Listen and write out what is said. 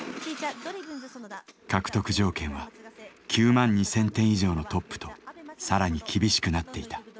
獲得条件は９２０００点以上のトップと更に厳しくなっていた。